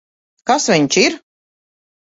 Kas viņš ir?